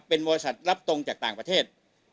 เป็นบริษัทรับตรงจากต่างประเทศ